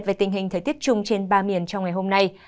cập nhật về tình hình thời tiết chung trên ba miền trong ngày hôm nay